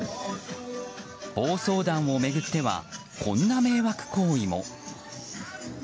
暴走団を巡ってはこんな迷惑行為も。